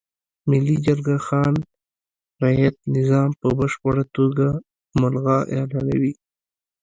ملي جرګه خان رعیت نظام په بشپړه توګه ملغا اعلانوي.